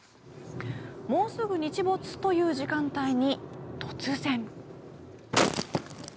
もうすぐ日没という時間帯に突然。